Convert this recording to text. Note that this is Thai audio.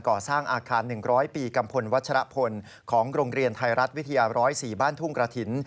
ของโรงเรียนไทยรัฐวิทยา๑๐๔บ้านทุ่งกระถิ่น